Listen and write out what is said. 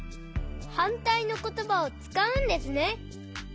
はんたいのことばをつかうんですね。